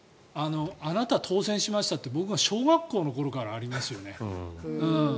あなた、当選しましたって僕が小学校の頃からありますよね。